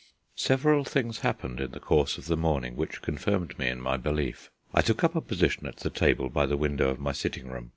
Several things happened in the course of the morning which confirmed me in my belief. I took up a position at the table by the window of my sitting room.